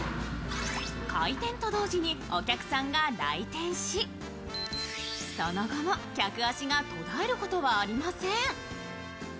開店と同時にお客さんが来店しその後も客足が途絶えることはありません。